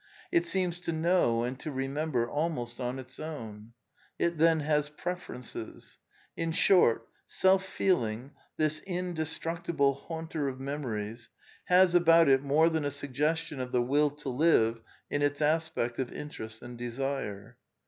It seems to know and to remember almost "on its own." It, then, has preferences. In short, self feel ing, this indestructible haunter of memories, has about it more than a suggestion of the Will to live in its aspect of interest and desire.